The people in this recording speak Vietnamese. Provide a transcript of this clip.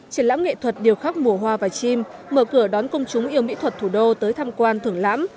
triển lãm nghệ thuật điều khắc mùa hoa và chim mở cửa đón công chúng yêu mỹ thuật thủ đô tới tham quan thưởng lãm